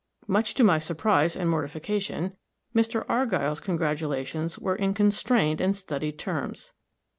Much to my surprise and mortification, Mr. Argyll's congratulations were in constrained and studied terms.